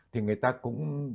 thì người ta cũng